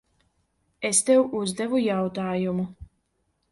Es tev uzdevu jautājumu.